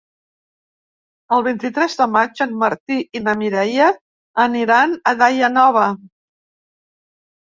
El vint-i-tres de maig en Martí i na Mireia aniran a Daia Nova.